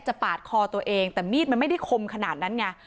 ปาดคอตัวเองแต่มีดมันไม่ได้คมขนาดนั้นไง